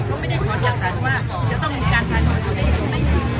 เขาไม่ได้คตจังสรรว่าจะต้องมีการภัยหน่วยใช่ไหม